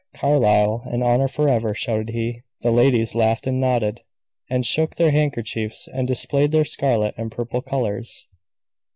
"Carlyle and honor forever!" shouted he. The ladies laughed and nodded, and shook their handkerchiefs, and displayed their scarlet and purple colors.